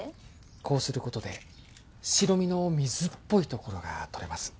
こうすることで白身の水っぽいところが取れます